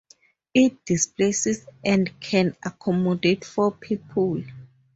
It displaces and can accommodate four people.